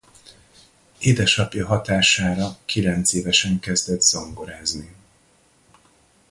Édesapja hatására kilencévesen kezdett zongorázni.